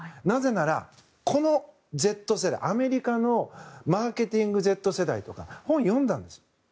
なぜなら、このＺ世代アメリカのマーケティングＺ世代とか本読んだんです。